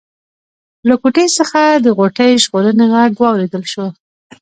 له کوټې څخه د غوټۍ ژړغونی غږ واورېدل شو.